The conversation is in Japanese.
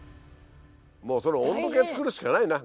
もうそれ温度計作るしかないな。